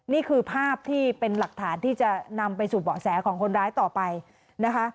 นี่คือภาพที่เป็นหลักฐานที่จะนำไปสู่เบาะแสของคนร้ายต่อไปนะคะ